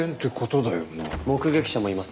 目撃者もいます。